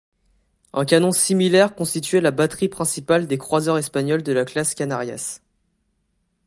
Un canon similaire constituait la batterie principale des croiseurs espagnols de la classe Canarias.